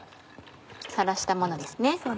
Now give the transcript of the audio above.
さらしたものですね。